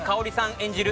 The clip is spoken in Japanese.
演じる